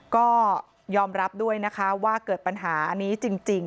ก็ยอมรับด้วยนะคะว่าเกิดปัญหาอันนี้จริง